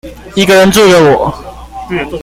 一個人住的我